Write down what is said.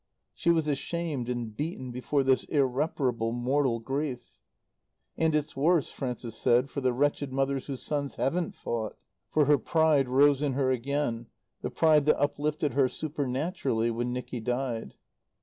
She was ashamed and beaten before this irreparable, mortal grief. "And it's worse," Frances said, "for the wretched mothers whose sons haven't fought." For her pride rose in her again the pride that uplifted her supernaturally when Nicky died.